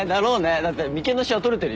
だって眉間のしわ取れてるよ。